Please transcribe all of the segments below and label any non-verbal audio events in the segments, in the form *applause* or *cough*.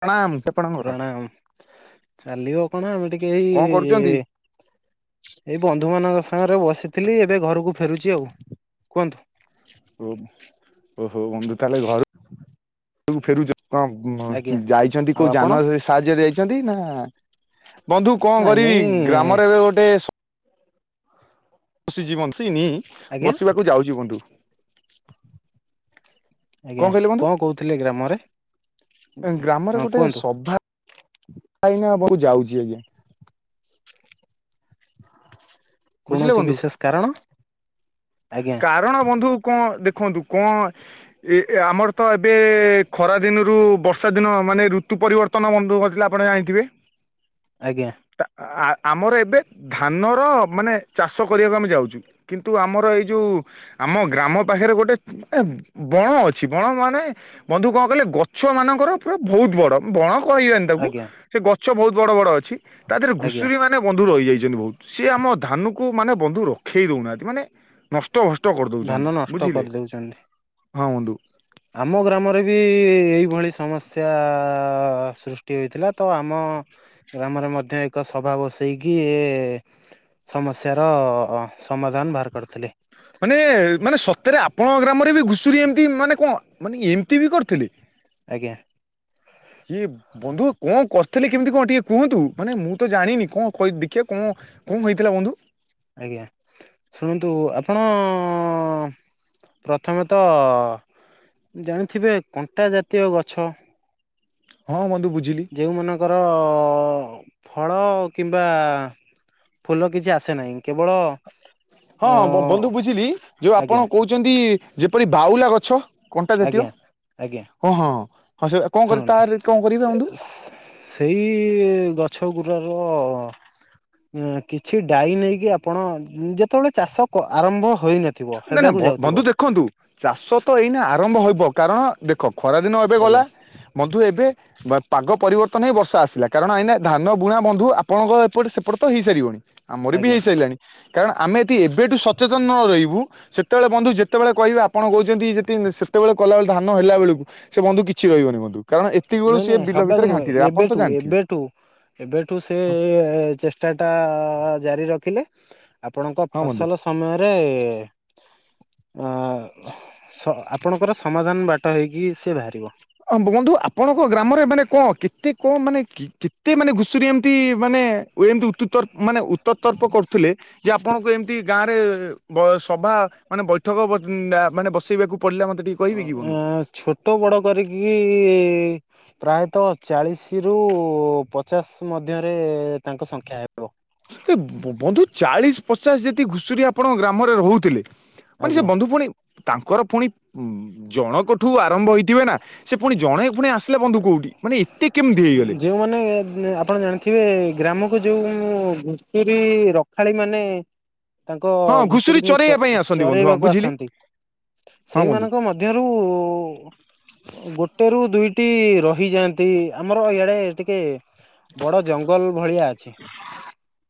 ପ୍ରଣାମ ଆପଣଙ୍କର ପୁରାଣ ଚାଲିବ କଣ ଆମେ ଟିକେ ଏଇ କଣ କରୁଛନ୍ତି? ଏଇ ବନ୍ଧୁ ମାନଙ୍କ ସାଙ୍ଗରେ ବସିଥିଲି ଏବେ ଘରକୁ ଫେରୁଛି ଆଉ। କୁହନ୍ତୁ? ଉଁ ଓହୋ ବନ୍ଧୁ ତାହେଲେ ଘରୁ ଫେରୁଛ କଣ ଆଜ୍ଞା ଯାଇଛନ୍ତି ଆଉ କୋଉ ଆପଣ ଯାନ ସାହାଯ୍ୟରେ ଯାଇଛନ୍ତି ନା ବନ୍ଧୁ କଣ ନାଇଁ କରିବି ନାଇଁ ଗ୍ରାମରେ ଏବେ ଗୋଟେ ସ ବସିଛି ବସିନି ଆଜ୍ଞା ବସିବାକୁ ଯାଉଛି ବନ୍ଧୁ। କଣ ଆଜ୍ଞା କହିଲେ ବନ୍ଧୁ କଣ କହୁଥିଲେ ଗ୍ରାମରେ ଗ୍ରାମରେ ହଁ ଗୋଟେ କୁହନ୍ତୁ ସଭା ଆ *inaudible* ୟାଜନ ହବ କୁ ଯାଉଛି ଏବେ କୌଣସି ବିଶେଷ କାରଣ ଆଜ୍ଞା କାରଣ ବନ୍ଧୁ କଣ ଦେ ଦେଖନ୍ତୁ କଣ ଆମର ତ ଏବେ ଖରା ଦିନରୁ ବର୍ଷା ଦିନ ମାନେ ଋତୁ ପରିବର୍ତ୍ତନ ମ କରିଥିଲା ଆପଣ ଜାଣିଥିବେ? ଆଜ୍ଞା। ଆମର ଏବେ ଧାନର ମାନେ ଚାଷ କରିବାକୁ ଆମେ ଯାଉଛୁ। କିନ୍ତୁ ଆମର ଏଇ ଯୋଉ ଆମ ଗ୍ରାମ ପାଖରେ ଗୋଟେ ବଣ ଅଛି ବଣ ମାନେ ବନ୍ଧୁ କଣ କହିଲେ ଗଛ ମାନଙ୍କର ପୁରା ବହୁତ ବଡ଼ ବଣ କୁହଇଯିବାନି ତାକୁ ଆଜ୍ଞା ସେ ଗଛ ବହୁତ ବଡ ବଡ ଅଛି ତା ଦେହରେ ଆଜ୍ଞା ଘୁଷୁରୀ ମାନେ ବନ୍ଧୁ ରହିଯାଇ ସିଏ ଆମ ଧାନ କୁ ମାନେ ବନ୍ଧୁ ରଖେଇ ଦଉନାହାନ୍ତି ମାନେ ନଷ୍ଟ ଭଷ୍ଟ ଧାନ କରିଦୋଉଛନ୍ତି ନଷ୍ଟ ବୁଝିଲେ କରିଦଉଛନ୍ତି ହଁ ବନ୍ଧୁ। ଆମ ଗ୍ରାମରେ ବି ଏଇଭଳି ସମସ୍ୟା ସୃଷ୍ଟି ହୋଇଥିଲା ତ ଆମ ହଁ ଗ୍ରାମରେ ମଧ୍ୟ ଏକ ସଭା ବସେଇକି ଏ ସମସ୍ୟାର ହଁ ସମାଧାନ ବାହାର କରିଥିଲେ। ମାନେ ମାନେ ସତରେ ଆପଣଙ୍କ ଗ୍ରାମରେ ବି ଘୁଷୁରୀ ଏମତି ମାନେ କଣ ମାନେ ଏମିତି ବି କରିଥିଲେ? ଆଜ୍ଞା। *inaudible* କିଏ ବନ୍ଧୁ କଣ କରିଥିଲେ କେମିତି କଣ ଟିକେ କୁହନ୍ତୁ ମାନେ ମୁଁ ତ ଜାଣିନି କଣ କହି ଦେଖେ କଣ କଣ ହୋଇଥିଲା ବନ୍ଧୁ? ଆଜ୍ଞା ଶୁଣନ୍ତୁ ଆପଣ ଅ ପ୍ରଥମେତ ଜାଣିଥିବେ କଣ୍ଟା ଜାତୀୟ ଗଛ ହଁ ବନ୍ଧୁ। ବୁଝିଲି ଯେଉଁମାନଙ୍କର ଅ ଫଳ କିମ୍ବା ଫୁଲ କିଛି ଆସେ ନାହିଁ କେବଳ ଅ ହଁ ବନ୍ଧୁ ବୁଝିଲି ଯୋଉ ଆଜ୍ଞା ଆପଣ କହୁଛନ୍ତି ଯେପରି ବାଉଲା ଗଛ? କଣ୍ଟା ଜାତୀୟ ଆଜ୍ଞା ଆଜ୍ଞା। ହଁ ହଁ ହଁ ସେ କଣ କରେ ଶୁଣନ୍ତୁ ତାର କଣ କରିବେ ସେ ବନ୍ଧୁ? ସେଇ ଗଛ ଗୁରା ଅ ଏଁ କିଛି ଡାଇ ନେଇକି ଆପଣ ଯେତେବେଳେ ଚାଷ କ ଆରମ୍ଭ ହୋଇନଥିବ ନା ନା ହେବାକୁ ଯାଉଥିବ ବ-ବନ୍ଧୁ ଦେଖନ୍ତୁ ଚାଷ ତ ଏଇନେ ଆରମ୍ଭ ହବ କାରଣ ଦେଖ ଖରାଦିନ ଏବେ ଗଲା ଆଜ୍ଞା ବନ୍ଧୁ ଏବେ ବ ପାଗ ପରିବ ର୍ତନ ହେଇ ବର୍ଷା ଆସିଲା କାରଣ ଏଇନା ଧାନ ବୁଣା ବନ୍ଧୁ ଆପଣଙ୍କ ଏପଟେ ସେପଟେ ତ ହେଇସାରିବଣି। ଆମର ବି ଆଜ୍ଞା ହେଇ ସାଇଲାଣି। କାରଣ ଆମେ ଏଠି ଏବେଠୁ ସଚେତନ ନ ରହି ବୁ ସେତେବେଳେ ବନ୍ଧୁ ଯେତେବେଳେ କହିବେ ଆପଣ କହୁଚନ୍ତି ଯତି ସେତେବେଳେ କଲା ବେଳେ ଧାନ ହେଲା ବେଳେକୁ ସେ ବନ୍ଧୁ କିଛି ରହିବନି ବନ୍ଧୁ। କାରଣ ଏତିକି ବେଳୁ ନାଇଁ ସିଏ ନାଇଁ ବିଲ ହବାକୁ ଭିତରେ ନୁହେଁ ଘାଣ୍ଟି ଦେବେ ଆପଣ ତ ଏବେଠୁ ଜାଣିଥିବେ ଏବେଠୁ ଏବେଠୁ ସେ ହଁ ଏ ଏ ଚେଷ୍ଟା ଟା ଆ ଜାରି ରଖିଲେ ଆପଣଙ୍କ ହଁ ବନ୍ଧୁ ଫସଲ ସମୟରେ ଅ ସ ଆପଣଙ୍କର ସମାଧାନ ବାଟ ହେଇକି ସେ ବାହାରିବ। ଅଁ ବ ବନ୍ଧୁ ଆପଣଙ୍କ ଗ୍ରାମରେ ମାନେ କଣ କେତେ କଣ ମାନେ କେ-କେତେ ମାନେ ଘୁଷୁରୀ ଏମତି ମାନେ ଏଁ ଏମତି ଉତ୍ତୁତର ମାନେ ଉତ୍ତତର୍ପ କରୁଥିଲେ ଯେ ଆପଣଙ୍କ ଏମିତି ଗାଁ ରେ ବ ଏ ସ ବା ମାନେ ବୈଠକ ବ ଉଁ ଆ ମାନେ ବସେଇବାକୁ ପଡିଲା ମତେ ଟିକେ କହିବେ ଅଁ କି ବନ୍ଧୁ? ଏ ଛୋଟ ବଡ କରିକି ପ୍ରାୟତଃ ଚାଳିଶି ରୁ ପଚାଶ ମଧ୍ୟରେ ଏ ତାଙ୍କ ସଂଖ୍ୟା ହେବ। ଏ ବ-ବନ୍ଧୁ ଚାଳିଶି ପଚାଶ ଯଦି ଘୁଷୁରୀ ଆପଣଙ୍କ ଗ୍ରାମରେ ରହୁଥିଲେ ମାନେ ସେ ଆଜ୍ଞା। ବନ୍ଧୁ ପୁଣି ତାଙ୍କର ପୁଣି ଉ ଜଣକଠୁ ଆ ଆରମ୍ଭ ହେଇଥିବେ ନା ସେ ପୁଣି ଜଣେ ପୁଣି ଆସିଲା ବନ୍ଧୁ କୋଉ ଉ ମୁଁ ଘୁଷୁରୀ ରଖାଳି ମାନେ ତାଙ୍କ ହଁ ଘୁଷୁରୀ ଘୁଷୁରୀଙ୍କୁ ଚରେଇବା ପାଇଁ ଆସନ୍ତି ବନ୍ଧୁ ହଁ ଚ-ଚରେଇବାକୁ ବୁଝିଲି ଆସନ୍ତି। ହଁ ବନ୍ଧୁ। ସେଇମାନଙ୍କ ମଧ୍ୟରୁ ଗୋଟେ ରୁ ଦୁଇ ଟି ରହିଯାଆନ୍ତି ଆମର ଇଆଡେ ଟିକେ ବଡ ଜଙ୍ଗଲ ଭଳିଆ। ଅଛି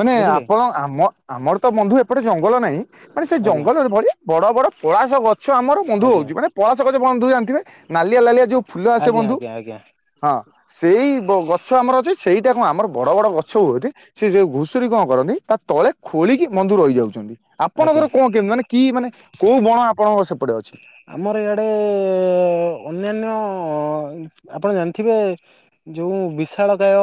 ମାନେ ବୁଝିଲେ ଆପଣ ଆମ ଆମର ତ ବନ୍ଧୁ ଏପଟେ ଜଙ୍ଗଲ ନାଇଁ। ମାନେ ସେ ଆଜ୍ଞା ଜଙ୍ଗଲର ଭଳି ବଡ ବଡ ପଳାଶ ଗଛ ଆମର ବନ୍ଧୁ ଆଜ୍ଞା ହଉଛି ମାନେ ପଳାସ ଛ କହୁଚେ ବନ୍ଧୁ ଜାଣିଥିବେ ନାଲିଆ ଲାଲିଆ ଯୋଉ ଫୁଲ ଆସେ ଆଜ୍ଞା ବନ୍ଧୁ ଆଜ୍ଞା ଆଜ୍ଞା ହଁ ସେଇ ବ ଗ ଛ ଆମର ଅଛି ସେଇଟାକୁ ଆମର ବଡ଼ ବଡ଼ ଗ ଛ ବହୁତି ସେ ଯୋଉ ଘୁଷୁରୀ କଣ କରନ୍ତି ତା ତଳେ ଖୋଳିକି ବନ୍ଧୁ ରହି ଯାଉଚନ୍ତି। ଆପଣଙ୍କର ଆଜ୍ଞା କଣ କେମିତି ମାନେ କି ମାନେ କୋଉ ବଣ ଆପଣଙ୍କ ସେ ଆମର ଇଆଡେ ଅନ୍ୟାନ୍ୟ ଆପଣ ଜାଣିଥିବେ ଯୋଉ ବିଶାଳ କାୟ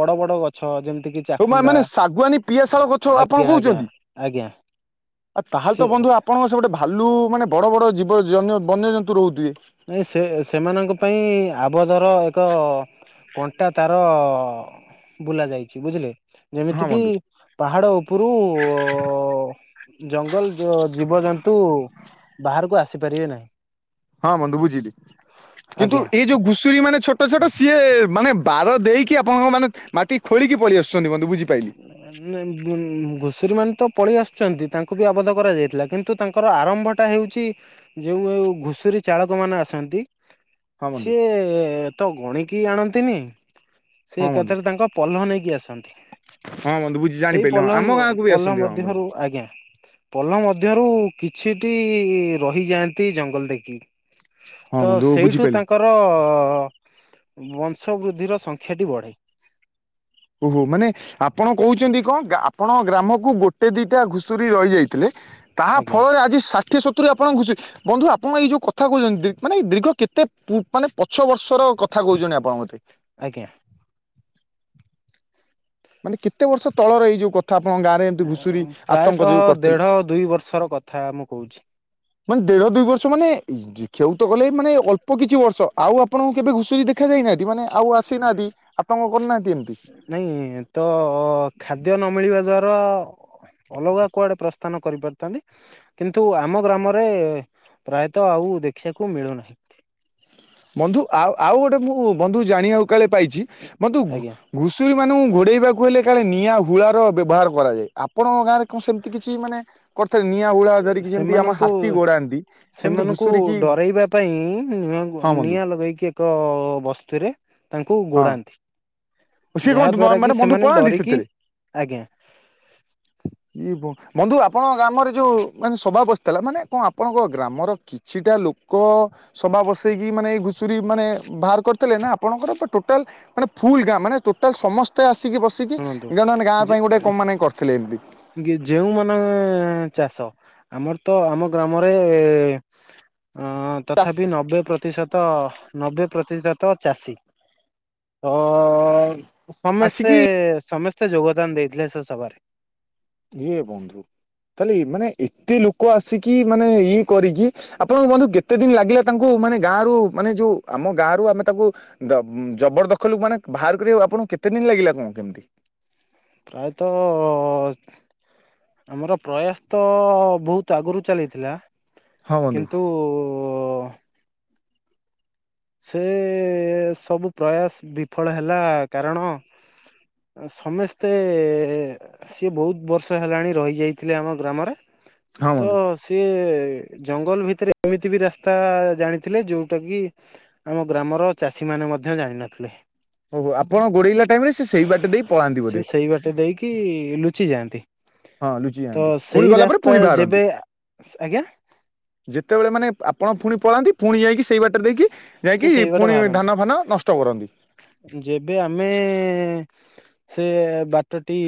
ବଡ ବଡ ଗଛ ଯେମି ହଉ ମା-ମାନେ ଶାଗୁଆନୀ, ପିଆଶାଳ ଗଛ ଆପଣ ଆଜ୍ଞା ଆଜ୍ଞା କହୁଚନ୍ତି? ଆଜ୍ଞା ଆ ତାହେଲେ ତ ସେ ବନ୍ଧୁ ଆପଣଙ୍କ ସେପଟେ ଭାଲୁ ମାନେ ବଡ ବଡ ଜୀବ ଜନ୍ୟ ବନ୍ୟଜନ୍ତୁ ରହୁଥିବେ। ନାଇଁ ସେ ତ କଣ୍ଟା ତାର ବୁଲା ଯାଇଛି ବୁଝିଲେ। ହଁ ଯେମିତିକିି ବନ୍ଧୁ ପାହାଡ ଉପୁରୁ ଅ ଜଙ୍ଗଲ ଜ ଜୀବଜନ୍ତୁ ବାହାରକୁ ଆସିପାରିବେ ନାହିଁ। ହଁ ବନ୍ଧୁ ବୁଝିଲି। କିନ୍ତୁ ଆଜ୍ଞା। ଏଇ ଯୋଉ ଘୁଷୁରୀ ମାନେ ଛୋଟ ଛୋଟ ସିଏ ମାନେ ବାର ଦେଇକି ଆପଣଙ୍କ ମାନେ ମାଟି ଖୋଳିକି ପଳେଇ ଆସୁ ନାଇଁ ଉଁ ଘୁଷୁରୀ ମାନେ ତ ପଳେଇ ଆସ ଚନ୍ତି ତାଙ୍କୁ ବି ଆବଦ୍ଧ କରାଯାଇଥିଲା କିନ୍ତୁ ତାଙ୍କର ଆରମ୍ଭଟା ହେଉଛି ଯେଉ ଏଉ ଘୁଷୁରୀ ଚାଳକ କ ମାନେ ଆସନ୍ତି ହଁ ବନ୍ଧୁ ସିଏ ଏ ତ ଗଣିକି ଆଣନ୍ତିନି। ସେ ହଁ ବନ୍ଧୁ। ଏକାଥରେ ତାଙ୍କ ପଲ୍ଲ ନେଇକି ଆସନ୍ତି। ହଁ ବନ୍ଧୁ ବୁଝି ସେଇ ଜାଣିପାରିଲି ହଁ ପଲ୍ଲ ଆମ ଗାଁକୁ ବି ପଲ୍ଲ ଆସନ୍ତି ହଁ ବନ୍ଧୁ ମଧ୍ୟରୁ ଆଜ୍ଞା ପଲ୍ଲ ମଧ୍ୟରୁ କିଛିଟି ରହିଯାଆନ୍ତି ଜଙ୍ଗଲ ଦେଖିକି। ହଁ ତ ବନ୍ଧୁ ସେଇଠୁ ବୁଝିପାରିଲି। ତାଙ୍କର ଅ ବଂଶ ବୃଦ୍ଧିର ସଂଖ୍ୟାଟି ବଢ଼େ ଓହୋ ମାନେ ଆପଣ କହୁଚନ୍ତି କଣ ଗା ଆପଣ ଗ୍ରାମକୁ ଗୋଟେ ଦିଟା ଘୁଷୁରୀ ରହି ଯାଇଥିଲେ। ତାହା ଆଜ୍ଞା ଫଳରେ ଆଜି ଷାଠିଏ ସତ ତୁରୀ ଆପଣ ଥା କହୁଛନ୍ତି ଆପଣ ଗତି ଆଜ୍ଞା। ମାନେ କେତେ ବର୍ଷ ତଳର ଏଇ ଯୋଉ କଥ ଥା ଆପଣଙ୍କ ଗାଁ ରେ ଏମତି ଘୁଷୁର ଆତଙ୍କ ପ୍ରାୟତଃ ଯୋଉ କରିଥିଲେ? ଦେଢ ଦୁଇ ବର୍ଷର କଥା ମୁଁ କହୁଛି। ମାନେ ଦେଢ ଦୁଇ ବର୍ଷ ମାନେ ଦେଖିବାକୁ ଗଲେ ମାନେ ଅଳ୍ପ କିଛି ବର୍ଷ ଆଉ ଆପଣଙ୍କୁ କେବେ ଘୁଷୁରି ଦେଖା ଯାଇନାହାନ୍ତି ମାନେ ଆଉ ଆସିନାହାନ୍ତି? କାମ କରିନାହାନ୍ତି। ଏମିତି ନାଇଁ ତ ଖାଦ୍ୟ ନ ମିଳିବା ଦ୍ଵାରା ଅଲଗା କୁଆଡେ ପ୍ରସ୍ଥାନ କରିପାରିଥାନ୍ତି କିନ୍ତୁ ଆମ ଗ୍ରାମରେ ପ୍ରାୟତଃ ଆଉ ଦେଖିବାକୁ ମିଳୁନାହିଁ। ବନ୍ଧୁ ଆଉ ଆଉ ଗୋଟେ ମୁଁ ବନ୍ଧୁ ଜାଣିବାକୁ କାଳେ ପାଇଚି ବନ୍ଧୁ ଘୁ- ଆଜ୍ଞା ଘୁଷୁରି ମାନଙ୍କୁ ଗୋଡେଇବାକୁ ହେଲେ କାଳେ ନିଆଁ ହୁଳାର ବ୍ୟବହାର କରାଯାଏ, ଆପଣଙ୍କ ଗାଁରେ କଣ ସେମିତି କିଛି ମାନେ କର୍ ଥିଲେ ନିଆଁ ହୋଳା ଧରିକି ଯେମତି ଆମ ସେମାନଙ୍କୁ ହାତୀ ଗୋଡାନ୍ତି ସେମିତି ସେମାନଙ୍କୁ ଘୁଷୁରିକି ଡରାଇବା ପାଇଁ ନିଆଁ ନିଆଁ ଲଗେଇକି ଏକ ବସ୍ତୁରେ ତାଙ୍କୁ ହଁ ଗୋଡ଼ାନ୍ତି। ସିଏ କୁହନ୍ତୁ ମା-ମାନେ ବନ୍ଧୁ ପଳାନ୍ତି ଡରିକି ସେଥିରେ? ଆଜ୍ଞା ଏ ବ ବନ୍ଧୁ ଆପଣଙ୍କ ଗ୍ରାମରେ ଯୋଉ ମାନେ ସଭା ବସିଥିଲା ମାନେ କଣ ଆପଣଙ୍କ ଗ୍ରାମର କିଛିଟା ଲୋକ ସଭା ବସେଇକି ମାନେ ଏଇ ଘୁଶୁରୀ ମାନେ ବାହାର କରିଥିଲେ ନା ଆପଣଙ୍କର ଟୋଟାଲ ମାନେ ଫୁଲ ଗାଁ ମାନେ ଟୋଟାଲ ସମସ୍ତେ ଆସିକି ବସିକି ଶୁଣନ୍ତୁ ଜଣେ ମାନେ ଗାଁ ପାଇଁ ଗୋଟେ କଣ ମାନେ କରିଥିଲେ ଏମିତି କି ଯେଉଁମାନେ ଚାଷ ଆମର ତ ଆମ ଗ୍ରାମରେ ହଁ ତଥାପି ନବେ ପ୍ରତିଶତ ନବେ ପ୍ରତିଶତ ତ ଚାଷୀ ତ ସମସ୍ତେ ଆସିକି ସମସ୍ତେ। ତେ ଯୋଗଦାନ ଦେଇଥିଲେ ସେ ସଭାରେ। ହେ ବନ୍ଧୁ। ତାଲେ ଏମାନେ ଏତେ ଲୋକ ଆସିକି ମାନେ ଇଏ କରିକି ଆପଣଙ୍କୁ ବନ୍ଧୁ କେତେ ଦିନ ଲାଗିଲା ତାଙ୍କୁ ମାନେ ଗାଁରୁ ମାନେ ଯୋଉ ଆମ ଗାଁରୁ ଆମେ ତାକୁ ଦ ଜବର ଦଖଲକୁ ମାନେ ବାହାର କରିବାକୁ ଆପଣଙ୍କୁ କେ ତେ ଦିନ ଲାଗିଲା କଣ କେମିତି? ପ୍ରାୟତଃ ଆମର ପ୍ରୟାସ ତ ବହୁତ ଆଗରୁ ଚାଲିଥିଲା। ହଁ ବନ୍ଧୁ କିନ୍ତୁ ସେ ସବୁ ପ୍ରୟାସ ବିଫଳ ହେଲା କାରଣ ସମସ୍ତେ ସିଏ ବହୁତ ବର୍ଷ ହେଲାଣି ରହି ଯାଇଥିଲେ ଆମ ଗ୍ରାମରେ। ହଁ ତ ବନ୍ଧୁ। ସିଏ ଜଙ୍ଗଲ ଭିତରେ ଏମିତି ବି ରାସ୍ତା ଜାଣିଥିଲେ ଯୋଉଟା କି ଆମ ଗ୍ରାମର ଚାଷୀ ମାନେ ମଧ୍ୟ ଜାଣିିନଥିଲେ। ଓହୋ ଆପଣ ଗୋଡେଇଲା ଟାଇମ ରେ ସେ ସେଇ ବାଟେ ଦେଇ ପଳାନ୍ତି ବୋଧେ। ଛି ଯାଆନ୍ତି ହଁ ଲୁଚି ତ ଯାଆନ୍ତି ପୁଣି ସେଇ ଗଲା ପରେ ରାସ୍ତା ପୁଣି ବାହାରନ୍ତି। ଯେବେ ଆଜ୍ଞା। ଯେତେବେଳେ ମାନେ ଆପଣ ପୁଣି ପଳାନ୍ତି ଫୁଣି ଯାଇକି ସେଇ ବାଟରେ ଦେଇକି ସେ ଯାଇକି ସେଇବାଟେ ପୁଣି ବାହାରନ୍ତି ଧାନ ଫାନ ନଷ୍ଟ କରନ୍ତି। ଯେବେ ଆମେ ସେ ବାଟଟି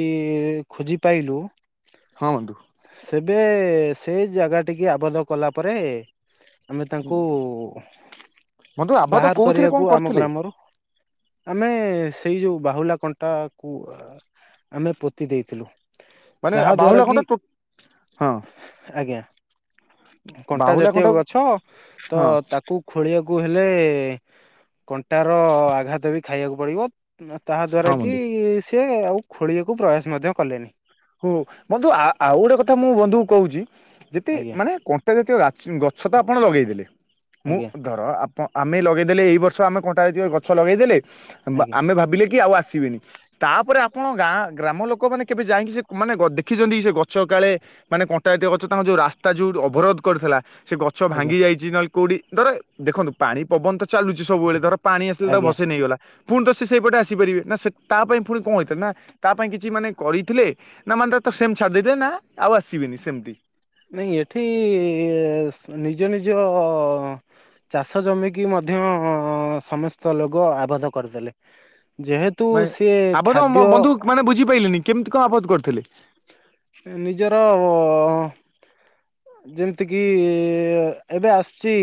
ଖୋଜି ପାଇଲୁ ହଁ ବନ୍ଧୁ। ସେବେ ସେଇ ଜାଗା ଟିକେ ଆବଦ୍ଧ କଲା ପରେ ଆମେ ତାଙ୍କୁ ବନ୍ଧୁ ଆଭା ତ ବାହାର କୋଉଥିରେ କଣ କରିବାକୁ ଆମ କରିଥିଲେ ଗ୍ରାମରୁ ଆମେ ସେଇ ଯୋଉ ବାହୁଲା କଣ୍ଟାକୁ ଆମେ ପୋତି ଦେଇଥିଲୁ। ମାନେ ଆ ଯାହା ଦ୍ଵାରା ବାହୁଲା କି କଣ୍ଟା ଟୋ ହଁ ଆଜ୍ଞା। କଣ୍ଟା ବାହୁଲା ଜାତୀୟ କଣ୍ଟାକୁ ଗଛ ତ ହଁ ତାକୁ ଖୋଳି ଆକୁ ହେଲେ କଣ୍ଟାର ଆଘାତ ବି ଖାଇବାକୁ ପଡିବ ମ ହଁ ତାହା ହଁ ଦ୍ୱାରା କି ବନ୍ଧୁ ସେ ଆଉ ଖୋଳିଆକୁ ପ୍ରୟାସ ମଧ୍ୟ କଲେନି। ଓହୋ ବନ୍ଧୁ, ଆଉ ଗୋଟେ କଥା ମୁଁ ବନ୍ଧୁ କହୁଛି, ଯେତେ ଆଜ୍ଞା। ମାନେ କଣ୍ଟାରେ ଥିବା ଗଛ ତ ଆପଣ ଲଗେଇଦେଲେ, ମୁଁ ଆଜ୍ଞା ଧର ଆପଣ ଆମେ ଲଗେଇଦେଲେ ଏଇ ବର୍ଷ ଆମେ ଗଛ ଲଗେଇଦେଲେ ଆଜ୍ଞା ଆମେ ଭାବିଲେ କି ଆଉ ଆସିବେନି ତାପରେ ଆପଣ ଗାଁ, ଗ୍ରାମ ଲୋକମାନେ କେବେ ଯାଇକି ସେ ମାନେ ଦେଖିଛନ୍ତି, ସେ ଗଛ କାଳେ ମାନେ କଣ୍ଟାଜାତୀୟ ଗଛ, ତାଙ୍କ ଯୋଉ ରାସ୍ତା ଯୋଉ ଅବରୋଧ କରିଥିଲା ସେ ଗଛ ଆଜ୍ଞା ଭାଙ୍ଗି ଯାଇଛି, ନହେଲେ କୋଉଠି ଧର ଦେଖନ୍ତୁ ପାଣି ପବନ ତ ଚାଲୁଛି ସବୁବେଳେ, ଧର ପାଣି ଆସିଲେ ତା ଆଜ୍ଞା ବସେଇ ନେଇଗଲା ପୁଣି ତ ସେ ସେଇପଟେ ଆସିପାରିବେ ନା, ସେ ତା ପାଇଁ ପୁଣି କଣ ହେଇଥିଲା ନା, ତା ପାଇଁ କିଛି ମାନେ କରିଥିଲେ। ନା ମାନେ ତ ସେମ ଛାଦଲେ ନା ଆଉ ଆସିବେନି ସେମିତି ନାଇଁ ଏଠି, ନିଜ ନିଜ ଚାଷ ଜମିିକି ମଧ୍ୟ ସମସ୍ତ ଲୋକ ଆବଦ୍ଧ କରିଦେଲେ ଯେହେତୁ ମାନେ ସିଏ ଆବୋଧ ଖାଦ୍ୟ ବନ୍ଧୁ ମାନେ ବୁଝିପାଇଲିନି, କେମିତି କଣ ଆବଦ୍ଧ କରୁଥିଲେ? ନିଜର ଯେମିତି କିି -ଏବେ ଆସୁଛି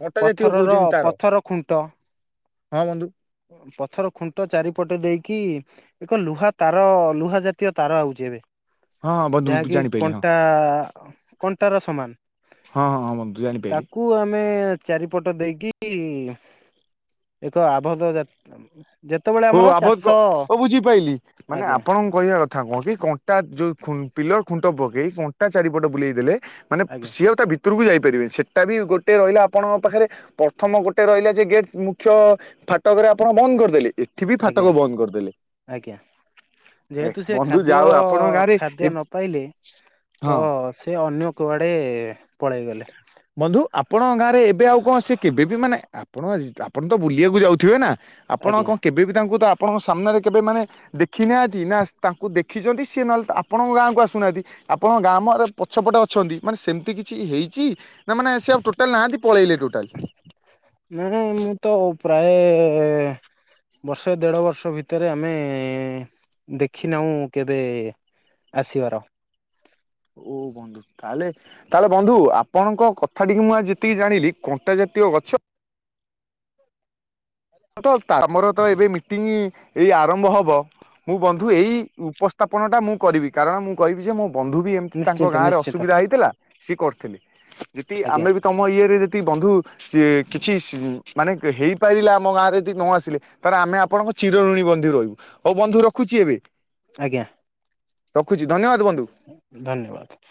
କଣ୍ଟା ଜାତୀୟ ପଥରର କହୁଛନ୍ତି ତାର ପଥର ଖୁଣ୍ଟ। ହଁ ବନ୍ଧୁ। ପଥର ଖୁଣ୍ଟ ଚାରିପଟେ ଦେଇକି, ଏକ ଲୁହା ତାର ଲୁହା ଜାତୀୟ ତାର ହଉଛି ଏବେ ହଁ ହଁ ବନ୍ଧୁ ଯାହାକି ଜାଣିପାଇଲି ହଁ କଣ୍ଟା କଣ୍ଟା ର ସମାନ। ହଁ ହଁ ହଁ ବନ୍ଧୁ ଜାଣିପାଇଲି ତାକୁ ଆମେ ଚାରିପଟ ଦେଇକି, ଏକ ଆବୋଧ ଯାତା ହଉ ଆଭ ହ ବୁଝିପାରଲିି, ମାନେ ଆଜ୍ଞା ଆପଣଙ୍କ କହିବା କଥା କଣ କି? କ ଯୋଉ ପିଲର ଖୁଣ୍ଟ ପକେଇ, କଣ୍ଟା ଚାରିପଟ ବୁଲେଇଦେଲେ, ମାନେ ଆଜ୍ଞା ସିଏ ତା ଭିତ କୁ ଯାଇପାରିବେ ସେଟା ବି ଗୋଟେ ରହିଲା ଆପଣଙ୍କ ପାଖରେ, ପ୍ରଥମ ଗୋଟେ ରହିଲା ଯେ ଗେଟ୍ ମୁଖ୍ୟ ଫାଟକରେ ଆପଣ ବନ୍ଦ କରିଦେଲେ, ଏଠି ବି ଆଜ୍ଞା ଫାଟକ ବନ୍ଦ କରିଦେଲେ। ଆଜ୍ଞା ଏ ଯେହେତୁ ସେ ବନ୍ଧୁ ଖାଦ୍ୟ ଯାଉ ଆପଣଙ୍କ ଗାଁରେ ଏ ଖାଦ୍ୟ ନ ପାଇଲେ, ହଁ। ତ ସେ ଅନ୍ୟ କୁଆଡେ ପଳେଇଗଲେ। ବନ୍ଧୁ ଆପଣଙ୍କ ଗାଁ ରେ ଏବେ ଆଉ କଣ, ସେ କେବେବି ମାନେ, ଆପଣ ତ ବୁଲିବାକୁ ଯାଉଥିବେନା। ଆପଣ ଆଜ୍ଞା କଣ କେବେ ବି ତାଙ୍କୁ ତ ଆପଣଙ୍କ ସାମ୍ନାରେ କେବେ ମାନେ ଦେଖିନାହାଁନ୍ତି, ନା ତାଙ୍କୁ ଦେଖିଛନ୍ତି, ସିଏ ନହେଲେ ଆପଣଙ୍କ ଗାଁକୁ ଆସୁନାହାଁନ୍ତି। ଆପଣଙ୍କ ଗାମରେ ପଛପଟେ ଅଛନ୍ତି, ମାନେ ସେମିତି କିଛି ହେଇ ନା ମାନେ, ସେ ଆଉ ଟୋଟାଲ ନାହାନ୍ତି ପଳେଇଲେ ଟୋଟାଲ ନାଇଁ ମୁଁ ତ ପ୍ରାୟ ବର୍ଷେ, ଦେଢ ବର୍ଷ, ଭିତରେ ଆମେ ଦେଖିନାହୁଁ କେବେ ଆସିବାର ଓ ବନ୍ଧୁ, ତାହେଲେ ତାହେଲେ ବନ୍ଧୁ ଆପଣଙ୍କ କଥା କଥା ଟିକେ ମୁଁ ଆ ଯେତିକି ଜାଣିଲି, କଣ୍ଟା ଜାତୀୟ ଗଛ ତ ଆମର ତ ଏବେ ମିଟିଂ ଏଇ ଆରମ୍ଭ ହବ ମୁଁ ବନ୍ଧୁ, ଏଇ ଉପସ୍ଥାପନ ଟା ମୁଁ କରିବି, କାରଣ -ମୁଁ କହିବି ଯେ ମୁଁ ବନ୍ଧୁ ବି ଏମିତି ତାଙ୍କ ନିଶ୍ଚିନ୍ତ ଗାଁରେ ନିଶ୍ଚିନ୍ତ ଅସୁବିଧା ହେଇଥିଲା, ସିଏ କରିଥିଲେ, ଯଦି ଆଜ୍ଞା ଆମେ ବି ତମ ଇଏରେ ବନ୍ଧୁ କିଛି ମାନେ ହେଇପାରିଲା ଆମ ଗାଁରେ ଯଦି ନ ଆସିଲେ, ତାହେଲେ ଆମେ ଆପଣଙ୍କ ଚିରଋଣୀ ବନ୍ଧୁ ରହିବୁ। ହଉ ବନ୍ଧୁ ରଖୁଛି ଏବେ। ଆଜ୍ଞା। ରଖୁଛି ଧନ୍ୟବାଦ। ବନ୍ଧୁ। ଧନ୍ୟବାଦ।